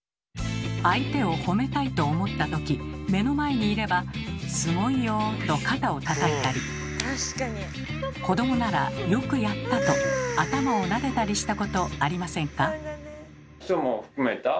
相手を褒めたいと思った時目の前にいれば「すごいよ」と肩をたたいたり子どもなら「よくやった」と頭をなでたりしたことありませんか？